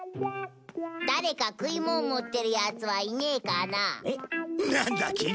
誰か食いもん持ってるヤツはいねえかなあ。